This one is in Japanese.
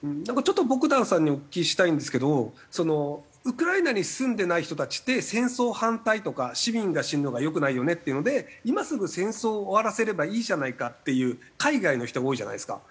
ボグダンさんにお聞きしたいんですけどウクライナに住んでない人たちって戦争反対とか市民が死ぬのが良くないよねっていうので今すぐ戦争を終わらせればいいじゃないかっていう海外の人が多いじゃないですか。